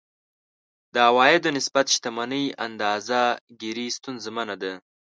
د عوایدو نسبت شتمنۍ اندازه ګیري ستونزمنه ده.